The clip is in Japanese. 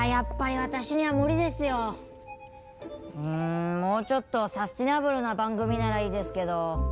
うんもうちょっとサスティナブルな番組ならいいですけど。